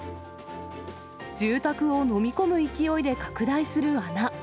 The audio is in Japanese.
住宅を飲み込む勢いで拡大する穴。